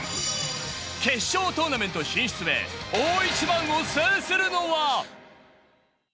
決勝トーナメント進出へ、大一番を制するのは？